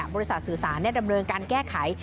บริษัทสื่อสารเนี่ยดำเนินการแก้ไข